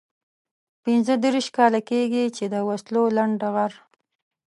پنځه دېرش کاله کېږي چې د وسلو لنډه غر.